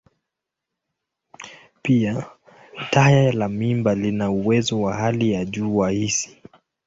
Pia, taya la mamba lina uwezo wa hali ya juu wa hisi.